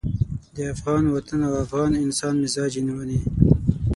د افغان وطن او افغان انسان مزاج یې نه مني.